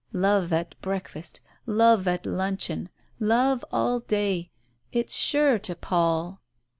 Love at breakfast, love at luncheon, love all day ; it's sure to pall.